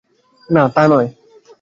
না তা নয়।